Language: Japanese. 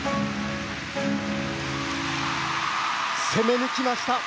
攻め抜きました！